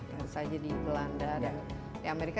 masa aja di belanda dan amerika